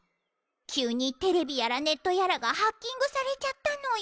急にテレビやらネットやらがハッキングされちゃったのよ。